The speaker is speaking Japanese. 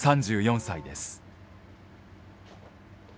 ３４歳です。